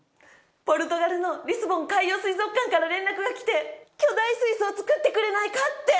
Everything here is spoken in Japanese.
ポルトガルのリスボン海洋水族館から連絡が来て巨大水槽造ってくれないかって！何！？